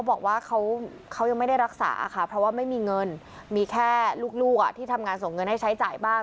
เพราะว่าไม่มีเงินมีแค่ลูกที่ทำงานส่งเงินให้ใช้จ่ายบ้าง